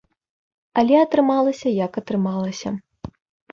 Але атрымалася як атрымалася.